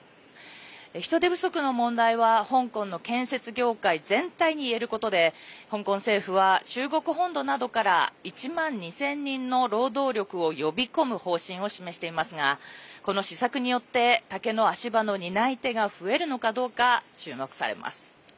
人手不足の問題は、香港の建設業界全体にいえることで香港政府は、中国本土などから１万２０００人の労働力を呼び込む方針を示していますがこの施策によって竹の足場の担い手が増えるのかどうか注目されます。